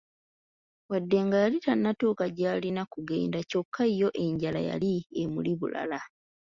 Wadde nga yali tanatuuka gy'alina kugenda, kyokka yo enjala yali emuli bulala!